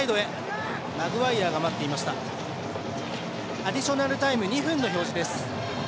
アディショナルタイム２分の表示です。